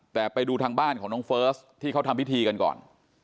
แต่ไปดูทางบ้านของน้องเฟิร์สที่เขาทำพิธีกันก่อน